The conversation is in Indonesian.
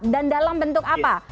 dan dalam bentuk apa